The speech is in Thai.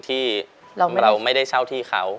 ที่เราไม่ได้เช่าที่เขา